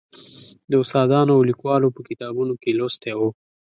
د استادانو او لیکوالو په کتابونو کې لوستی و.